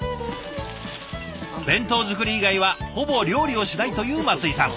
弁当作り以外はほぼ料理をしないという升井さん。